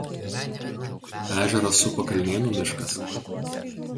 Ežerą supa Kalnėnų miškas.